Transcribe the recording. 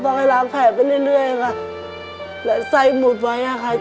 เขาไปลากแผ่ไปเรื่อยค่ะแล้วใส่หมุดไว้ค่ะ